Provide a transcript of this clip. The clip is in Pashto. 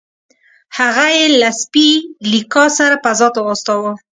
هغه یې له سپي لیکا سره فضا ته واستاوه